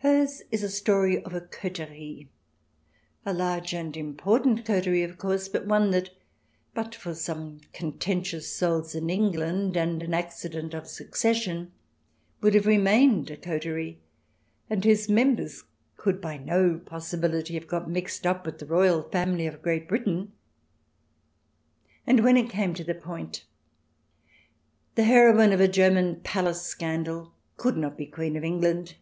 Hers is a story of a coterie — a large and important coterie, of course, but one that but for some con tentious souls in England and an accident of succes sion would have remained a coterie, and whose members could by no possibility have got mixed up with the Royal Family of Great Britain. And when it came to the point, the heroine of a German 224 THE DESIRABLE ALIEN [ch. xvii palace scandal could not be Queen of England.